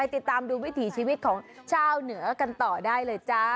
ติดตามวิถีชีวิตของเจ้าเหนือที่กันต่อได้เลยเจ้า